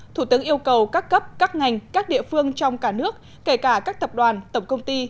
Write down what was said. thủ tướng yêu cầu các cấp các ngành các địa phương trong cả nước kể cả các tập đoàn tổng công ty